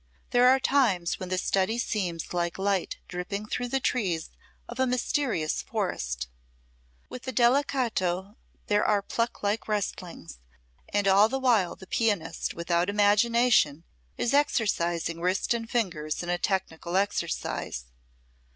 There are times when this study seems like light dripping through the trees of a mysterious forest; with the delicato there are Puck like rustlings, and all the while the pianist without imagination is exercising wrist and ringers in a technical exercise!